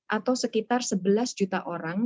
atau sekitar sebelas juta orang